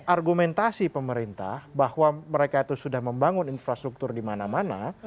argumentasi pemerintah bahwa mereka itu sudah membangun infrastruktur di mana mana